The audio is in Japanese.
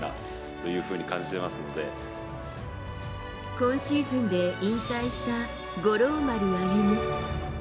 今シーズンで引退した五郎丸歩。